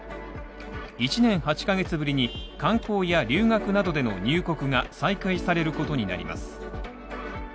１年８ヶ月ぶりに観光や留学などでの入国が再開されることになります。